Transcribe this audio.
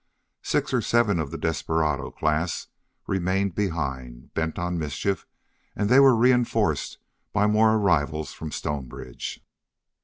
Six or seven of the desperado class remained behind, bent on mischief; and they were reinforced by more arrivals from Stonebridge.